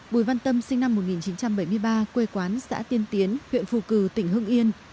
bùi văn tâm sinh năm một nghìn chín trăm bảy mươi ba quê quán xã tiên tiến huyện phù cử tỉnh hưng yên